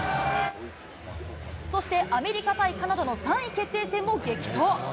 そして、アメリカ対カナダの３位決定戦も激闘。